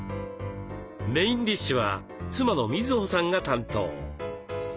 メインディッシュは妻の瑞穂さんが担当。